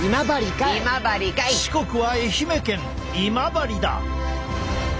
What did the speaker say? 四国は愛媛県今治だ！